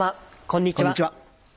こんにちは。